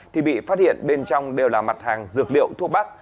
thì bị phát hiện bên trong đều là mặt hàng dược liệu thuốc bắc